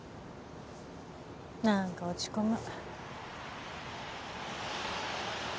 何か落ち込む。